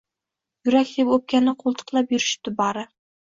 Yurak deb o‘pkani qo‘ltiqlab yurishibdi bari.